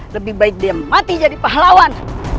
lebih baik dia mati jadi pahlawan